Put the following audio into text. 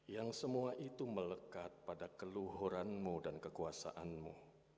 yang semua itu melekat pada keluhuranmu dan kekuasaanmu